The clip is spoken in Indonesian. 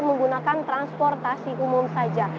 menggunakan transportasi umum saja